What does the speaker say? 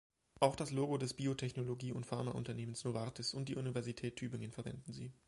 Auch das Logo des Biotechnologie- und Pharmaunternehmens Novartis und die Universität Tübingen verwenden sie.